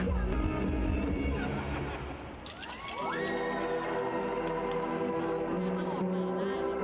สวัสดีครับ